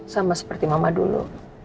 sama seperti mama dulu